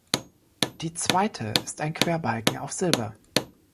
Die zweite ist ein Querbalken auf Silber.